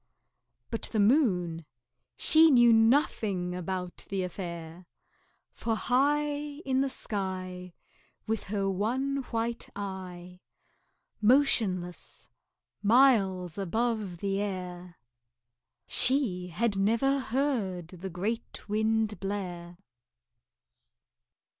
But the Moon, she knew nothing about the affair, For high In the sky, With her one white eye, Motionless, miles above the air, She had never heard the great Wind blare.